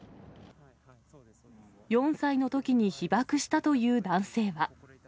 ４歳のときに被爆したという男性は。